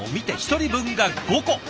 １人分が５個。